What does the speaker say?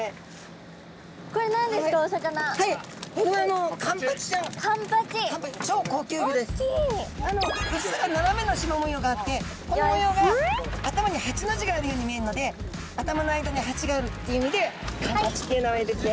うっすら斜めのしま模様があってこの模様が頭に八の字があるように見えるので頭の間に八があるっていう意味でカンパチっていう名前ですね。